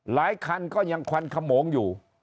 หลายคันก็ยังควันขโมงอยู่